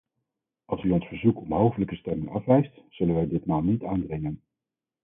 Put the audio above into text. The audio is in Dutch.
Als u ons verzoek om hoofdelijke stemming afwijst, zullen wij ditmaal niet aandringen.